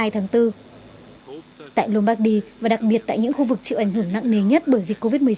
tại lombardi và đặc biệt tại những khu vực chịu ảnh hưởng nặng nề nhất bởi dịch covid một mươi chín